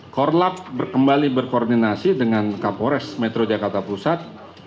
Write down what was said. korlap kembali berkoordinasi dengan kapolres metro jakarta pusat